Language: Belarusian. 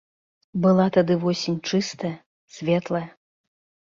Была тады восень чыстая, светлая.